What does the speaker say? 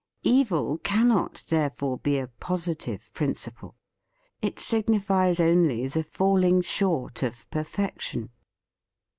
Evil cannot therefore be a positive principle; it signifies only the falling short of perfection.